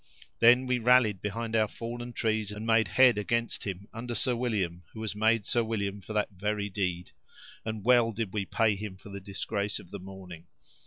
Then we rallied behind our fallen trees, and made head against him, under Sir William—who was made Sir William for that very deed; and well did we pay him for the disgrace of the morning!